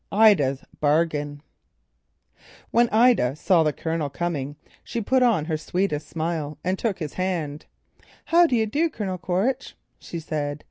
IDA'S BARGAIN When Ida saw the Colonel coming, she put on her sweetest smile and took his outstretched hand. "How do you do, Colonel Quaritch?" she said.